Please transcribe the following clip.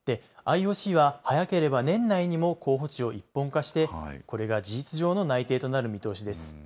ＩＯＣは早ければ年内にも候補地を一本化して、これが事実上の内定となる見通しです。